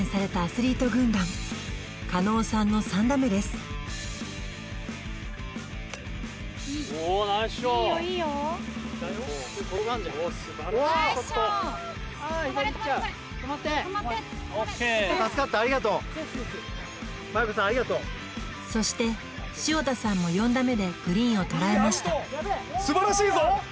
セーフセーフ助かったありがとうそして潮田さんも４打目でグリーンをとらえましたすばらしいぞ！